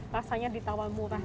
rasanya ditawar murah